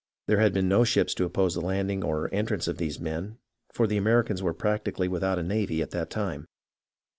There had been no ships to oppose the landing or the entrance of these men, for the Americans were practically without a navy at that time.